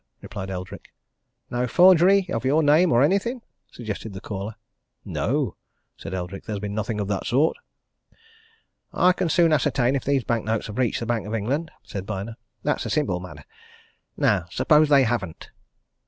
replied Eldrick. "No forgery of your name or anything?" suggested the caller. "No," said Eldrick. "There's been nothing of that sort." "I can soon ascertain if these bank notes have reached the Bank of England," said Byner. "That's a simple matter. Now suppose they haven't!"